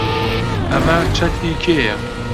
ئەمە چەتری کێیە؟